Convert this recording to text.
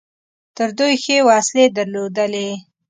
تر دوی ښې وسلې درلودلې.